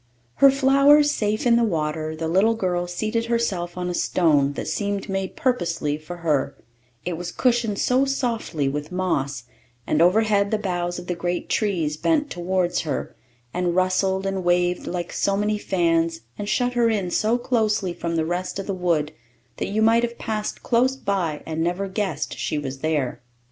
Her flowers safe in the water, the little girl seated herself on a stone that seemed made purposely for her, it was cushioned so softly with moss; and overhead the boughs of the great trees bent towards her, and rustled and waved like so many fans, and shut her in so closely from the rest of the wood that you might have passed close by, and never guessed she was there.